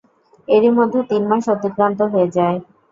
এরই মধ্যে তিন মাস অতিক্রান্ত হয়ে যায়।